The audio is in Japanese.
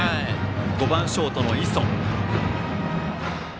５番ショートの磯。